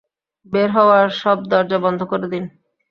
বের হওয়ার সব দরজা বন্ধ করে দিন।